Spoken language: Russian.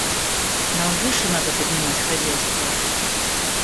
Нам выше надо поднимать хозяйство.